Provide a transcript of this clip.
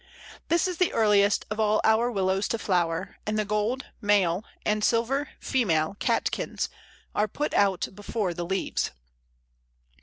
This is the earliest of all our Willows to flower, and the gold (male) and silver (female) catkins are put out before the leaves.